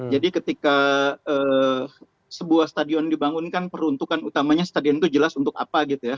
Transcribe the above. jadi ketika sebuah stadion dibangun kan peruntukan utamanya stadion itu jelas untuk apa gitu ya